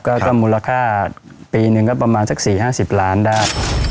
ก็ก็มูลค่าปีนึงก็ประมาณซักสี่ห้าสิบล้านได้